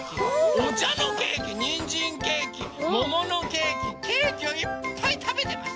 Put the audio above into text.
おちゃのケーキにんじんケーキもものケーキケーキをいっぱいたべてます。